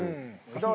どう？